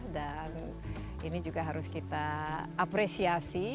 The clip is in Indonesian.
dan ini juga harus kita apresiasi